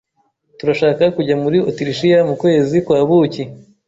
Turashaka kujya muri Otirishiya mu kwezi kwa buki.